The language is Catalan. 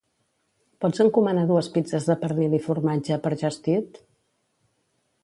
Pots encomanar dues pizzes de pernil i formatge per Just Eat?